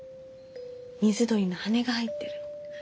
水鳥の羽根が入ってるの。